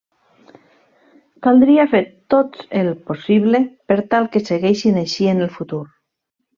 Caldria fer tots el possible per tal que segueixin així en el futur.